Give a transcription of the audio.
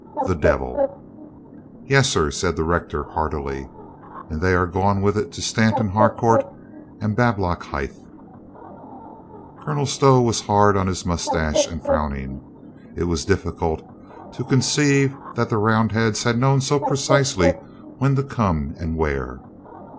"The devil!" "Yes, sir," said the rector heartily. "And they are gone with it to Stanton Harcourt and Bablock hithe." Colonel Stow was hard on his moustachio and frowning. It was difficult to conceive that the Roundheads had known so precisely when to come and where.